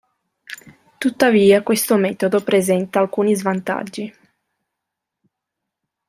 Tuttavia questo metodo presenta alcuni svantaggi.